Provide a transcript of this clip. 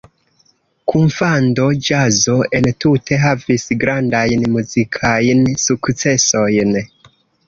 Kunfando-ĵazo entute havis grandajn muzikajn sukcesojn.